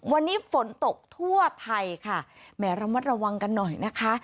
วันนี้ฝนตกทั่วไทยค่ะแหมระมัดระวังกันหน่อยนะคะ